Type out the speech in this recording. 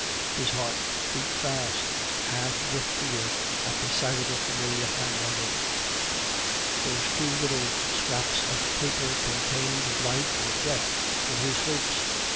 His heart beat fast, half with happiness, half with fear, at the sight of the familiar handwriting. Those two little scraps of paper contained life or death for his hopes.